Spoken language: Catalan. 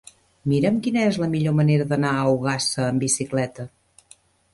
Mira'm quina és la millor manera d'anar a Ogassa amb bicicleta.